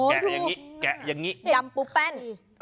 ไอ้อย่างงี้ยำปูแป้น